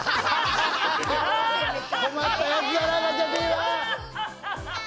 困ったやつだなあ、ガチャピンは。